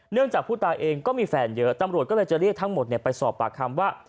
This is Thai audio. จากผู้ตายเองก็มีแฟนเยอะตำรวจก็เลยจะเรียกทั้งหมดไปสอบปากคำว่า